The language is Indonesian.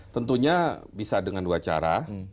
tentunya bisa dengan dua cara